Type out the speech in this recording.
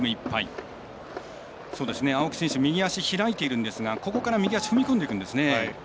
青木選手、右足開いているんですがここから右足踏み込んでくるんですね。